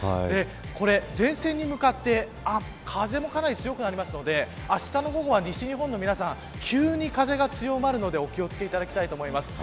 これ、前線に向かって風もかなり強くなりますのであしたの午後は西日本の皆さん、急に風が強まるのでお気を付けいただきたいと思います。